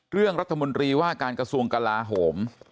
เรื่องรัฐมนตรีว่าการกระทรวงกลาโหม